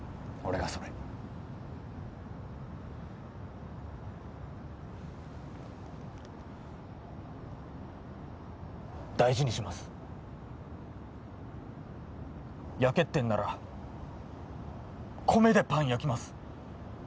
俺がそれ大事にします焼けってんなら米でパン焼きます